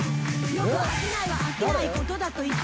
よく商いは飽きないことだと言って）